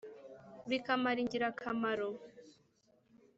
bikamara ingirakamaro